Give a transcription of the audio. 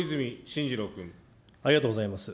ありがとうございます。